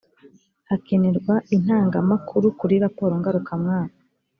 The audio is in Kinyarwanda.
hakenerwa intangamakuru kuri raporo ngarukamwaka